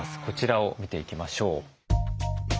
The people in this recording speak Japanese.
こちらを見ていきましょう。